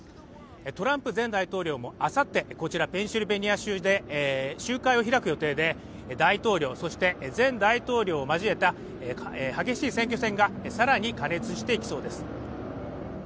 トランプ前大統領も明後日こちらペンシルベニア州で集会を開く予定で大統領そして前大統領を交えた激しい選挙戦がさらに過熱してきそうです